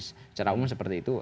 secara umum seperti itu